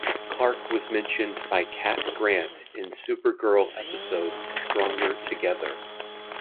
Clark was mentioned by Cat Grant in "Supergirl" episode "Stronger Together".